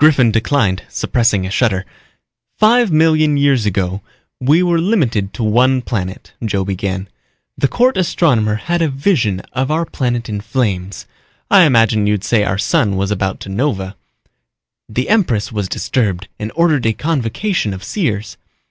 Griffin declined, suppressing a shudder. "Five million years ago we were limited to one planet," Joe began. "The court astronomer had a vision of our planet in flames. I imagine you'd say our sun was about to nova. The empress was disturbed and ordered a convocation of seers.